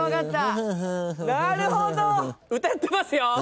歌ってますよ。